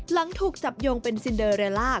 หลังถูกจับโยงเป็นซินเดอร์เรลล่า